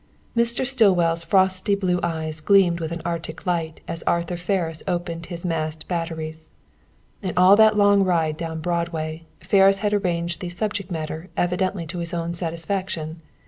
Mr. Stillwell's frosty blue eyes gleamed with an Arctic light as Arthur Ferris opened his masked batteries. In all that long ride down Broadway, Ferris had arranged the "subject matter" evidently to his own satisfaction.